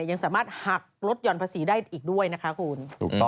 ยังสามารถหักลดหย่อนภาษีได้อีกด้วยนะคะคุณ